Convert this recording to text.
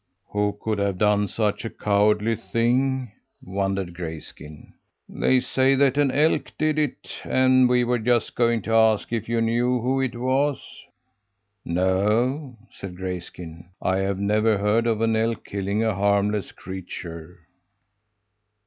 "Who could have done such a cowardly thing?" wondered Grayskin. "They say that an elk did it, and we were just going to ask if you knew who it was." "No," said Grayskin, "I have never heard of an elk killing a harmless creature."